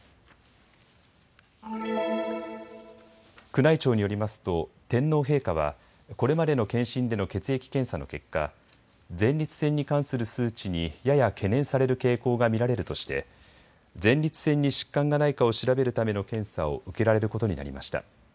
宮内庁によりますと天皇陛下はこれまでの検診での血液検査の結果、前立腺に関する数値にやや懸念される傾向が見られるとして前立腺に疾患がないかを調べるための検査を受けられることになりました。